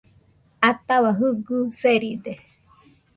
Atahua Jɨgɨ seride